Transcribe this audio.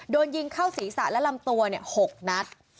โดนยิงเข้าศีรษะและลำตัว๖นัด